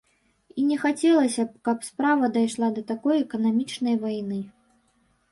І не хацелася б, каб справа дайшла да такой эканамічнай вайны.